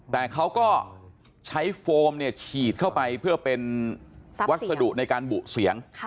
แต่เขาก็ใช้โฟมเนี่ยฉีดเข้าไปเพื่อเป็นวัสดุในการบุเสียง